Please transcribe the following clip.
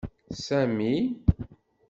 Sami.